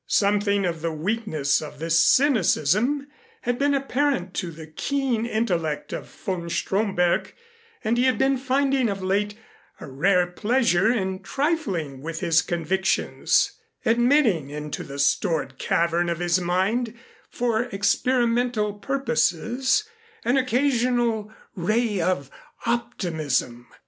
Something of the weakness of this cynicism had been apparent to the keen intellect of von Stromberg and he had been finding of late a rare pleasure in trifling with his convictions, admitting into the stored cavern of his mind for experimental purposes, an occasional ray of optimism.